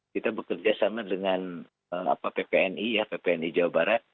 kita bekerja sama dengan ppni jawa barat